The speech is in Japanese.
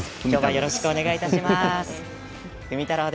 よろしくお願いします。